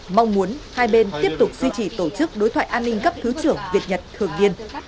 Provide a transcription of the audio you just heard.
mong muốn hai bên tiếp tục duy trì tổ chức đối thoại an ninh cấp thứ trưởng việt nhật thường viên